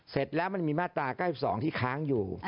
เสร็จแล้วมันจะมีมาตรา๙๒ที่ค้างอยู่